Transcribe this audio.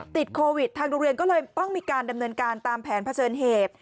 ติดโควิดทางโรงเรียนก็เลยต้องมีการดำเนินการตามแผนเผชิญเหตุ